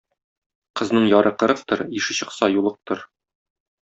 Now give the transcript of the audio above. Кызның яры кырыктыр, ише чыкса юлыктыр.